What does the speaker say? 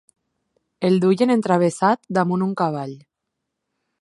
El duien entravessat damunt un cavall.